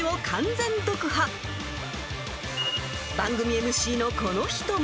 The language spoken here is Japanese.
［番組ＭＣのこの人も］